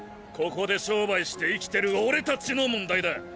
ここで商売して生きてる俺たちの問題だ！